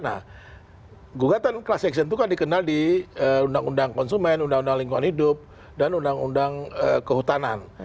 nah gugatan class action itu kan dikenal di undang undang konsumen undang undang lingkungan hidup dan undang undang kehutanan